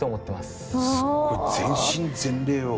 すごい全身全霊を。